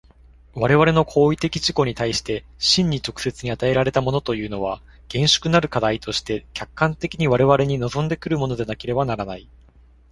我々の行為的自己に対して真に直接に与えられたものというのは、厳粛なる課題として客観的に我々に臨んで来るものでなければならない。